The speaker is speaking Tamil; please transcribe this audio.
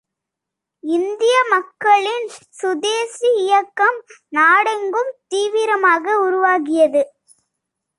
இந்திய மக்களின் சுதேசி இயக்கம் நாடெங்கும் தீவிரமாக உருவாகியது.